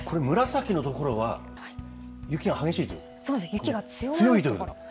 これ、紫の所は、雪が激しいということ？